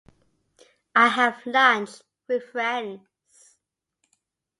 I have lunch with friends.